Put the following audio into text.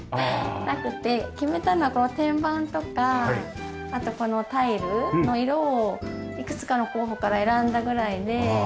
決めたのはこの天板とかあとこのタイルの色をいくつかの候補から選んだぐらいで。